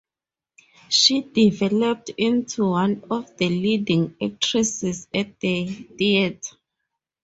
She developed into one of the leading actresses at the theater.